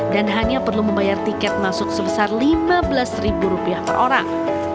dan hanya perlu membayar tiket masuk sebesar lima belas ribu rupiah per orang